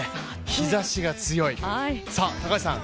日ざしが強い、高橋さん